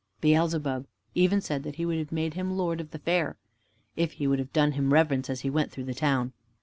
Beelzebub even said he would have made Him lord of the fair, if He would have done him reverence as He went through the town.